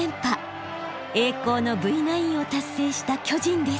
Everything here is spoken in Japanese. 栄光のＶ９を達成した巨人です。